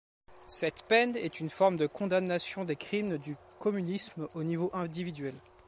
Cette peine est une forme de condamnation des crimes du communisme au niveau individuel.